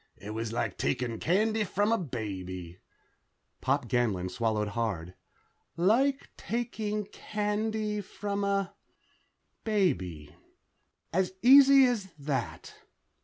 It was like taking candy from a baby...." Pop Ganlon swallowed hard. "Like taking candy from a ... baby. As easy as that...."